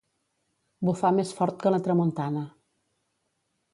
Bufar més fort que la tramuntana.